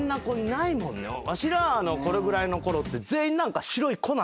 わしらのこれぐらいのころって。